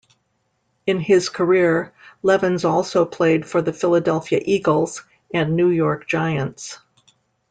In his career, Levens also played for the Philadelphia Eagles and New York Giants.